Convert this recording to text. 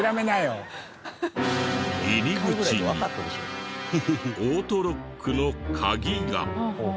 入り口にオートロックの鍵が。